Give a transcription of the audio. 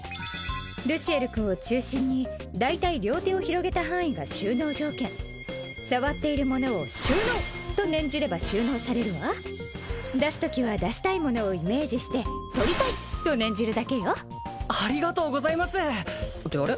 ルシエル君を中心に大体両手を広げた範囲が収納条件触っている物を「収納」と念じれば収納されるわ出すときは出したい物をイメージして「取りたい」と念じるだけよありがとうございますってあれ？